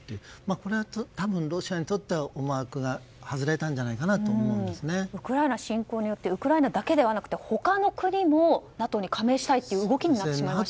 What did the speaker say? これは多分、ロシアにとっては思惑が外れたんじゃないかなとウクライナ侵攻によってウクライナだけではなくて他の国もＮＡＴＯに加盟したいという動きになってしまいますよね。